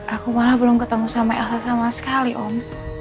aku malah belum ketemu sama elsa sama sekali om